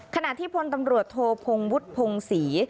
ขณะที่พลตำรวจโทพงวุฒิพงศรี